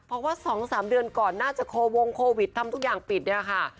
เพราะว่า๒๓เดือนก่อนน่าจะโควงโควิดทำทุกอย่างปิดเนี่ยค่ะ